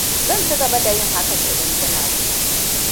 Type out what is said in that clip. Zan ci gaba da yin hakan idan kina so.